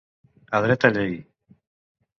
A dreta llei.